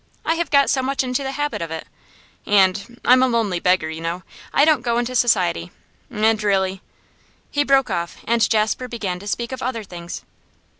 I have got so much into the habit of it. And I'm a lonely beggar, you know. I don't go into society, and really ' He broke off, and Jasper began to speak of other things.